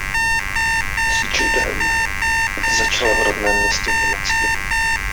S judem začala v rodném městě v Německu.